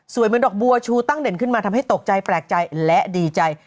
เหมือนดอกบัวชูตั้งเด่นขึ้นมาทำให้ตกใจแปลกใจและดีใจ